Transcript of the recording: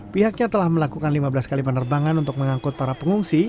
pihaknya telah melakukan lima belas kali penerbangan untuk mengangkut para pengungsi